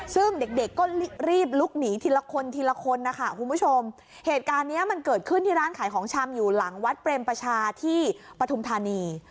ซึ่งเด็กเด็กก็รีบลุกหนีทีละคนทีละคนนะคะคุณผู้ชมเหตุการณ์เนี้ยมันเกิดขึ้นที่ร้านขายของชำอยู่หลังวัดเปรมประชาที่ปฐุมธานี